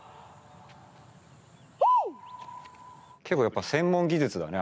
結構やっぱ専門技術だね。